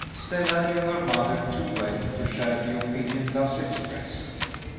Stella knew her mother too well to share the opinion thus expressed.